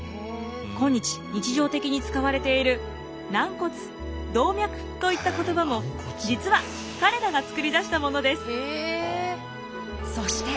今日日常的に使われている軟骨動脈といった言葉も実は彼らが作り出したものです。